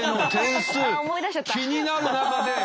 気になる中で。